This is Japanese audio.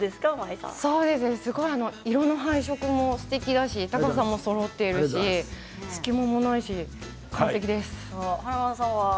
すごい色の配色もすてきだし高さもそろっているし隙間もないし完璧です。